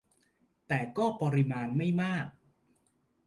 แต่ก็ปริมาณไม่มาก